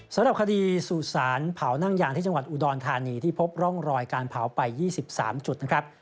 สำหรับคดีสู่สารเผานั่งยางที่จังหวัดอุดรธานีที่พบร่องรอยการเผาไป๒๓จุดนะครับ